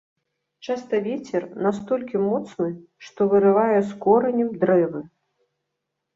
Часта вецер настолькі моцны, што вырывае з коранем дрэвы.